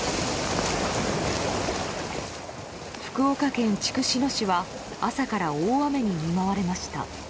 福岡県筑紫野市は朝から大雨に見舞われました。